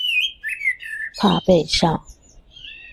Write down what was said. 怕被笑？